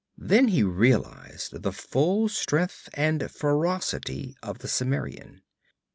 Then he realized the full strength and ferocity of the Cimmerian.